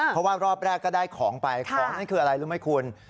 เพราะว่ารอบแรกก็ได้ของไปของนั่นคืออะไรรู้ไหมคุณ